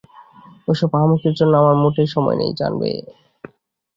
ঐসব আহাম্মকির জন্য আমার মোটেই সময় নেই, জানবে।